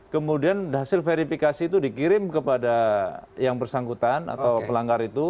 kemudian hasil verifikasi itu dikirim kepada yang bersangkutan atau pelanggar itu